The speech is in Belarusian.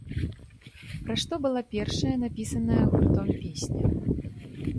Пра што была першая напісаная гуртом песня?